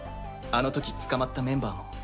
あのとき捕まったメンバーも。